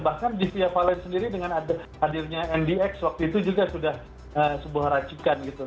bahkan di via valen sendiri dengan hadirnya ndx waktu itu juga sudah sebuah racikan gitu